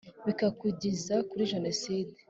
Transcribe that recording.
bikatugeza kuri jenoside